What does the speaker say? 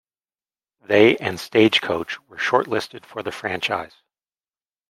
They and Stagecoach were shortlisted for the franchise.